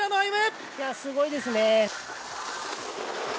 いや、すごいですね。